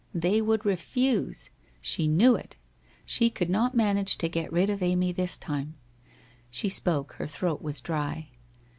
They would refuse. She knew it. She could not manage to get rid of Amy this time. She spoke, her throat was dry.